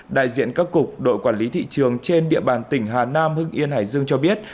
đại diện các cục đội quản lý thị trường trên địa bàn tỉnh hà nam hưng yên hải dương cho biết